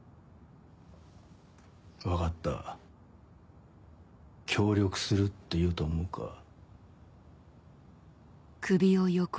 「分かった協力する」って言うと思うか？